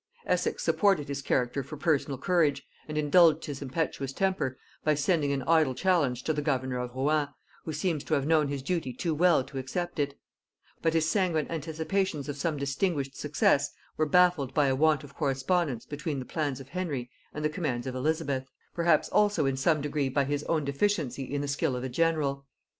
Essex supported his character for personal courage, and indulged his impetuous temper, by sending an idle challenge to the governor of Rouen, who seems to have known his duty too well to accept it; but his sanguine anticipations of some distinguished success were baffled by a want of correspondence between the plans of Henry and the commands of Elizabeth; perhaps also in some degree by his own deficiency in the skill of a general.